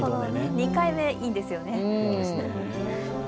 ２回目、いいですよね。